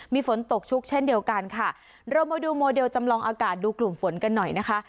มีฝนตกชุกเช่นเดียวกันค่ะเรามาดูโมเดลจำลองอากาศดูกลุ่มฝนกันหน่อยนะคะ